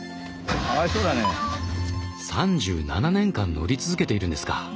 ３７年間乗り続けているんですか！